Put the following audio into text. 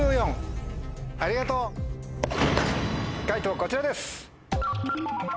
解答こちらです。